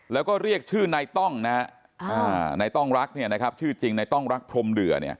แล้วก็เรียกชื่อในต้องนะในต้องรักชื่อจริงในต้องรักพรมเหลือ